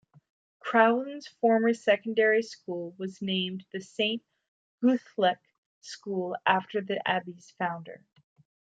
Crowland's former secondary school was named The Saint Guthlac School after the abbey's founder.